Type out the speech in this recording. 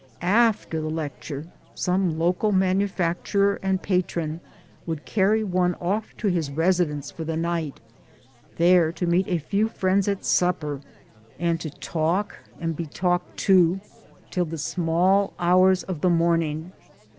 After the lecture some local manufacturer and patron would carry one off to his residence for the night, there to meet a few friends at supper, and to talk an4 be talked to till 94 MY DAYS AND DREAMS the small hours of the morning.